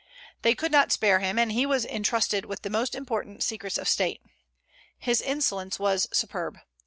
They could not spare him, and he was intrusted with the most important secrets of state. His insolence was superb.